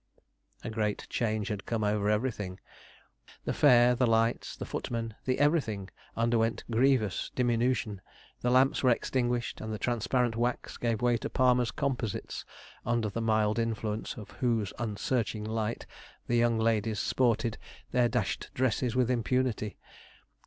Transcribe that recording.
A great change had come over everything. The fare, the lights, the footmen, the everything, underwent grievous diminution. The lamps were extinguished, and the transparent wax gave way to Palmer's composites, under the mild influence of whose unsearching light the young ladies sported their dashed dresses with impunity.